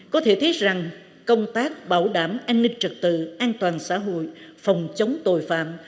có thể thấy rằng công tác bảo đảm an ninh trật tự an toàn xã hội phòng chống tội phạm